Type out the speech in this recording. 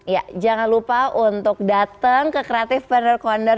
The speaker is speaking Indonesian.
ya jangan lupa untuk datang ke creative partner corner dua ribu dua puluh satu